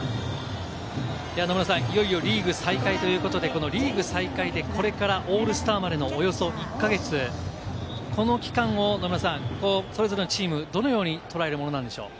野村さん、いよいよリーグ再開ということで、リーグ再開でこれからオールスターまでのおよそ１か月、この期間をそれぞれのチーム、どのように捉えるものなのでしょう？